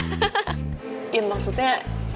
ya maksudnya gue butuh bantuan kalian